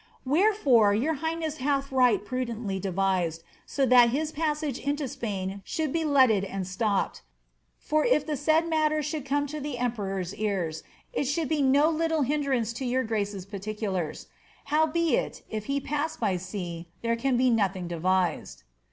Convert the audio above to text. Wherefore your highness hatli right prudently dcvitifd, so tiiat his passage into Spain should be letted and stop|>ed \ for if the said matter should come to the emperor's ears, it should be no little hindrance to your grace's particu lars ; howbeit, if he pass by sea, there can be nothing devised.''